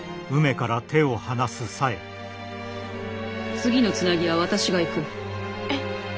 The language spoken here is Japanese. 次のつなぎは私が行く。えっ？